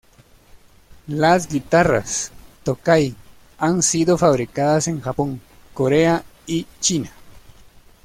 Las guitarras Tokai han sido fabricadas en Japón, Corea y China.